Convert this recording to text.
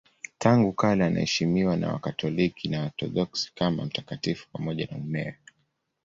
Tangu kale anaheshimiwa na Wakatoliki na Waorthodoksi kama mtakatifu pamoja na mumewe.